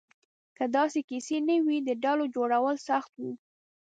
که داسې کیسې نه وې، د ډلو جوړول سخت وو.